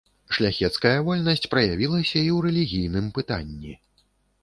Шляхецкая вольнасць праявілася і ў рэлігійным пытанні.